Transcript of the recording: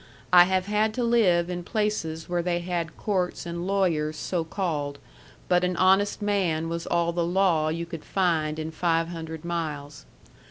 I have had to live in places where they had courts and lawyers so called but an honest man was all the law you could find in five hundred miles.